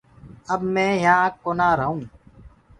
اب مي يهآنٚ ڪونآ ريهئونٚ